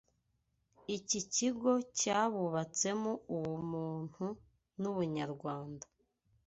Iki kigo cyabubatsemo ubumuntu n’ubunyarwanda